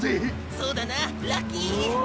そうだなラッキー！